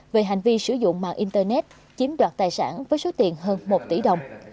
về hành vi sử dụng mạng internet chiếm đoạt tài sản với số tiền hơn một tỷ đồng